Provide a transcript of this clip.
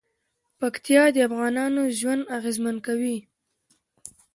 پکتیا د افغانانو ژوند اغېزمن کوي.